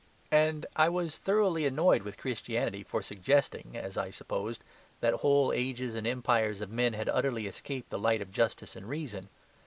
And I was thoroughly annoyed with Christianity for suggesting (as I supposed) that whole ages and empires of men had utterly escaped this light of justice and reason.